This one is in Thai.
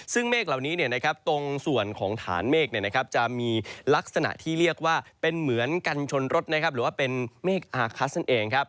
ซึ่งเมฆเหล่านี้ตรงส่วนของฐานเมฆจะมีลักษณะที่เรียกว่าเป็นเหมือนกันชนรถหรือว่าเป็นเมฆอาคัสนั่นเอง